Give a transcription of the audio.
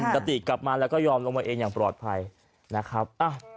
สติกลับมาแล้วก็ยอมลงมาเองอย่างปลอดภัยนะครับ